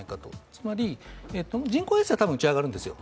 つまり人工衛星は多分打ち上がるんですよ。